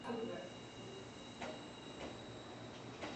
Takwimu za Januari ziko juu kuliko pato la mauzo ya nje kutoka